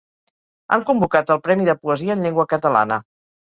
Han convocat el premi de poesia en llengua catalana.